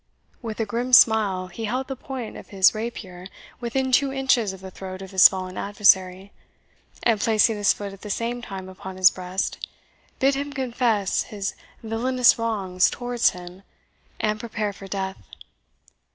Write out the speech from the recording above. With a grim smile he held the point of his rapier within two inches of the throat of his fallen adversary, and placing his foot at the same time upon his breast, bid him confess his villainous wrongs towards him, and prepare for death.